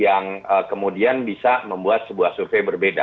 yang kemudian bisa membuat sebuah survei berbeda